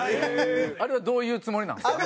あれはどういうつもりなんですか？